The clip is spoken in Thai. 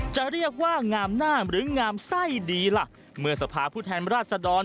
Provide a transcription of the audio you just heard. จะเรียกว่างามหน้าหรืองามไส้ดีล่ะเมื่อสภาพผู้แทนราชดร